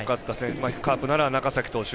カープなら中崎投手。